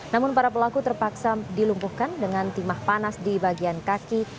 namun para pelaku terpaksa dilumpuhkan dengan timah panas di bagian kaki